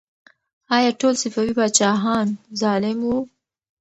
آیا ټول صفوي پاچاهان ظالم وو؟